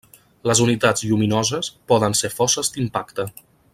Les unitats lluminoses poden ser fosses d'impacte.